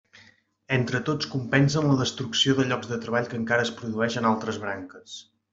Entre tots compensen la destrucció de llocs de treball que encara es produeix en altres branques.